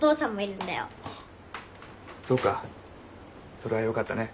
それはよかったね。